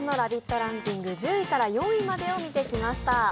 ランキング、１０位から４位までを見てきました。